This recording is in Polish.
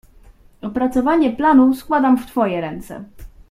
"Opracowanie planu składam w twoje ręce."